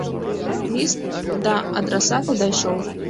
Ліст да адрасата дайшоў.